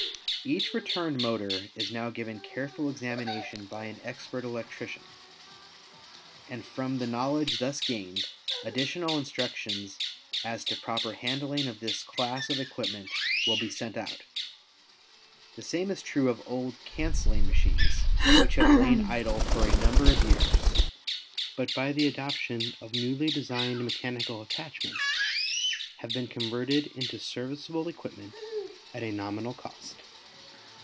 Each returned motor is now given careful examination by an expert electrician and from the knowledge thus gained, additional instructions as to proper handling of this class of equipment will be sent out. The same is true of old cancelling machines which have lain idle for a number of years but by the adoption of newly designed mechanical attachments have been converted into serviceable equipment at a nominal cost.